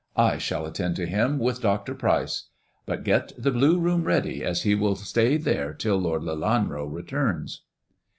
shall attend to him with Dr. Pryce. But get the Bk Boom ready, as he will stay here till Lord Lelam returns."